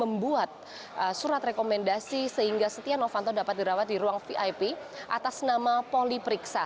membuat surat rekomendasi sehingga setia novanto dapat dirawat di ruang vip atas nama poli periksa